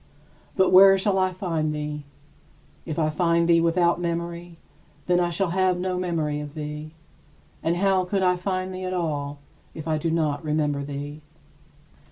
But where shall I find thee? If I find thee without memory, then I shall have no memory of thee; and how could I find thee at all, if I do not remember thee?